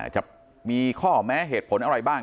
จะมีข้อแม้เหตุผลอะไรบ้าง